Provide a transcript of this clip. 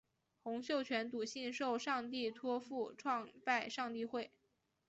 洪秀全笃信受上帝托负创拜上帝会。